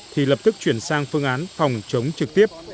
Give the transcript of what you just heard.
thì lập tức chuyển sang phương án phòng chống trực tiếp